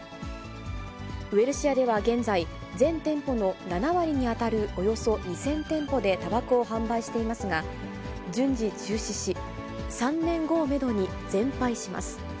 ウエルシアでは現在、全店舗の７割に当たるおよそ２０００店舗でたばこを販売していますが、順次、中止し、３年後をメドに全廃します。